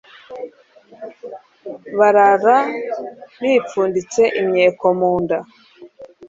barara bipfunditse imyeko mu nda